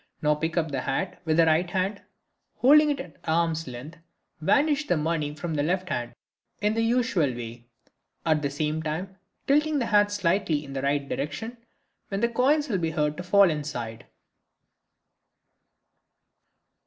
Now pick up the hat with the right hand, holding it at arm's length; vanish the money from the left hand in the usual way, at the same time tilting the hat slightly in the right direction, when the coins will be heard to fall inside.